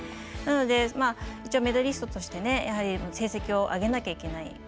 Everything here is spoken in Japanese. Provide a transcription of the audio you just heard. なので、一応メダリストとして成績を上げなきゃいけない。